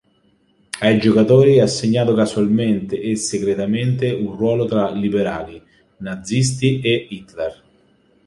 Ai giocatori è assegnato casualmente e segretamente un ruolo tra liberali, nazisti e Hitler.